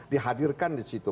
dihadirkan di situ